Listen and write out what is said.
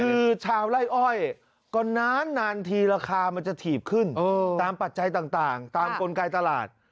คือชาวไล่อ้อยก็นานทีราคามันจะถีบขึ้นตามปัจจัยต่างตามกลไกตลาด